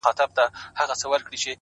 كلي كي ملا سومه ;چي ستا سومه;